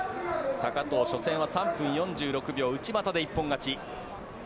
高藤、初戦は３分４６秒内股で一本勝ち。